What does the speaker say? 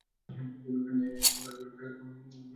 এই ভাব ঘরে ঘরে প্রচার কর, নিজের ও দেশের মঙ্গল হবে।